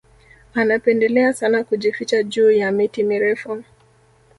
Anapendelea sana kujificha juu ya miti mirefu